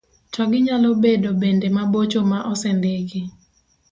to ginyalo bedo bende mabocho ma osendiki.